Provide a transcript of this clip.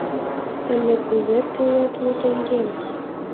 Ынде кузе тӱлет лу теҥгем?